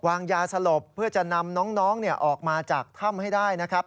วางยาสลบเพื่อจะนำน้องออกมาจากถ้ำให้ได้นะครับ